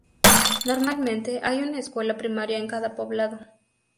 Normalmente hay una escuela primaria en cada poblado.